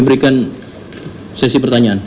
berikan sesi pertanyaan